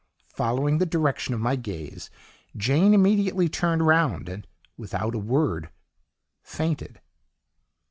"Following the direction of my gaze, Jane immediately turned round, and, without a word, FAINTED.